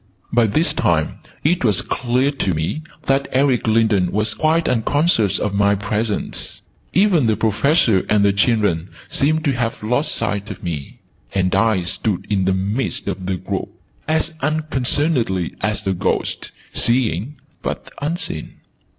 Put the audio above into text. By this time it was clear to me that Eric Lindon was quite unconscious of my presence. Even the Professor and the children seemed to have lost sight of me: and I stood in the midst of the group, as unconcernedly as a ghost, seeing but unseen.